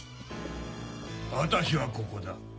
私はここだ。